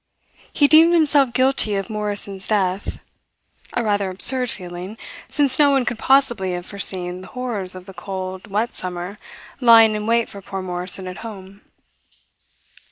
He deemed himself guilty of Morrison's death. A rather absurd feeling, since no one could possibly have foreseen the horrors of the cold, wet summer lying in wait for poor Morrison at home.